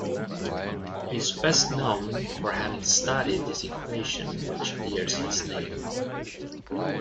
He is best known for having studied the equation which bears his name.